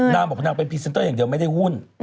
นางบอกนางเป็นพรีเซนเตอร์อย่างเดียวไม่ได้หุ้น